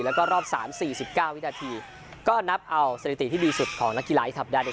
แล้วก็รอบสามสี่สิบเก้าวินาทีก็นับเอาสถิติที่ดีสุดของนักกีฬาที่ทำแดน